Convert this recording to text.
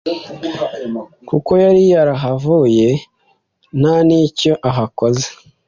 kuko yari yahavuye nta n'icyo ahakoze